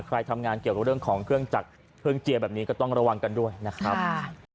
ใครทำงานเกี่ยวกับเรื่องของเครื่องจักรเครื่องเจียร์แบบนี้ก็ต้องระวังกันด้วยนะครับ